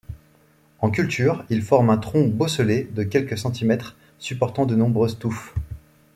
En culture, il forme un tronc bosselé de quelques centimètres supportant de nombreuses touffes.